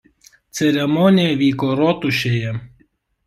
Ceremonija vyko rotušėje.